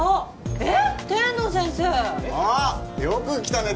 えっ